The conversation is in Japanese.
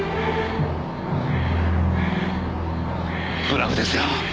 ブラフですよ。